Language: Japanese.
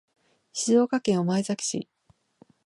静岡県御前崎市